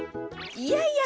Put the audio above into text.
いやいや。